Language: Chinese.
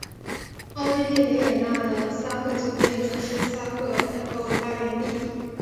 奥地利维也纳的萨赫酒店则是萨赫蛋糕的发源地。